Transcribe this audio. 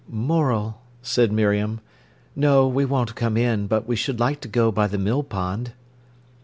"Morel," said Miriam. "No, we won't come in, but we should like to go by the mill pond."